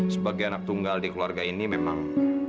sebagai anak tunggal di keluarga ini memang